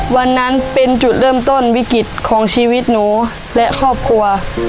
วันนั้นเป็นจุดเริ่มต้นวิกฤตของชีวิตหนูและครอบครัว